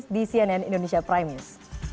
di cnn indonesia prime news